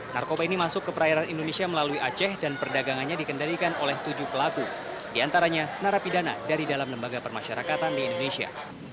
narkoba ini masuk ke perairan indonesia melalui aceh dan perdagangannya dikendalikan oleh tujuh pelaku diantaranya narapidana dari dalam lembaga permasyarakatan di indonesia